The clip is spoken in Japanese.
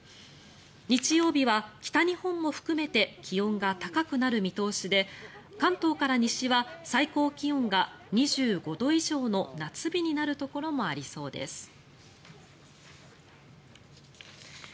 日曜日は北日本も含めて気温が高くなる見通しで関東から西は最高気温が２５度以上の夏日になるところもありそうです。